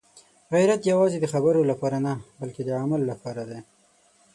غیرت یوازې د خبرو لپاره نه، بلکې د عمل لپاره دی.